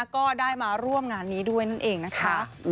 ก็ได้มาร่วมงานนี้ด้วยนั่นเองนะคะ